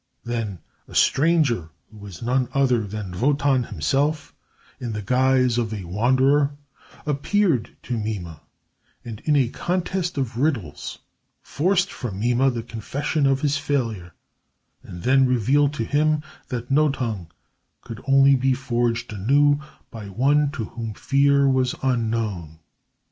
Then a stranger, who was none other than Wotan himself, in the guise of a Wanderer, appeared to Mime, and in a contest of riddles, forced from Mime the confession of his failure, and then revealed to him that Nothung could only be forged anew by one to whom fear was unknown.